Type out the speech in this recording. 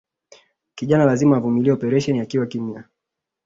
Kijana lazima avumilie operasheni akiwa kimya